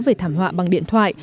về thảm họa bằng điện thoại